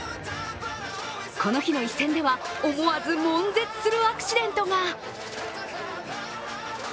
この日の一戦では、思わず悶絶するアクシデントが。